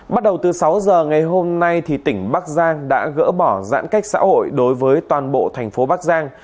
bắt đầu từ sáu giờ ngày hôm nay tỉnh bắc giang đã gỡ bỏ giãn cách xã hội đối với toàn bộ thành phố bắc giang